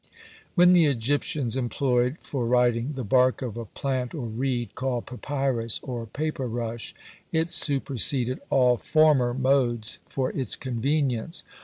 When the Egyptians employed for writing the bark of a plant or reed, called papyrus, or paper rush, it superseded all former modes, for its convenience.